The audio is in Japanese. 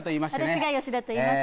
私が吉田といいます。